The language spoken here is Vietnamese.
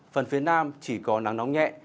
phần phía nam chỉ có nắng nóng nhẹ